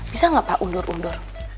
bisa nggak pak undur undur